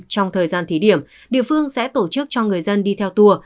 trong thời gian thí điểm địa phương sẽ tổ chức cho người dân đi theo tour